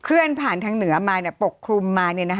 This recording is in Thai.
เลื่อนผ่านทางเหนือมาปกคลุมมา